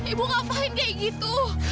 ibu ngapain kayak gitu